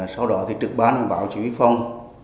sau đó thì trực ban bảo chí huy phòng